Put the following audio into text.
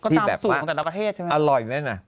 ที่แบบว่าอร่อยแม่น่ะ